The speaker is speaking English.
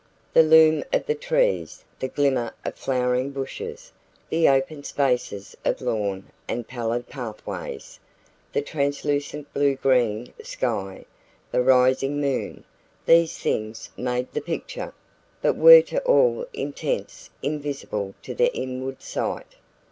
The loom of the trees, the glimmer of flowering bushes, the open spaces of lawn and pallid pathways, the translucent blue green sky, the rising moon these things made the picture, but were to all intents invisible to the inward sight.